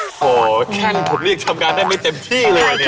โอ้โฮแค่ผมนี่ยังทำงานได้ไม่เต็มที่เลยเนี่ย